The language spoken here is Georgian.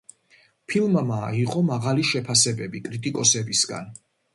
ფილმმა მიიღო მაღალი შეფასებები კრიტიკოსებისგან.